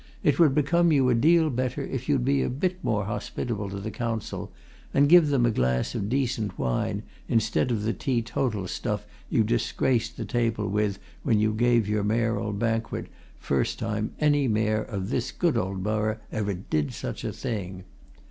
It would become you a deal better if you'd be a bit more hospitable to the Council and give them a glass of decent wine instead of the teetotal stuff you disgraced the table with when you gave your Mayoral banquet first time any Mayor of this good old borough ever did such a thing.